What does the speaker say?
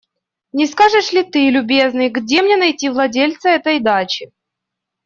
Не скажешь ли ты, любезный, где мне найти владельца этой дачи?